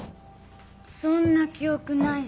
そんな記憶ないし。